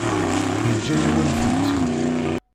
Yeǧǧa-yawen-tent-id.